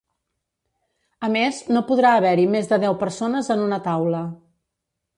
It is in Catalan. A més, no podrà haver-hi més de deu persones en una taula.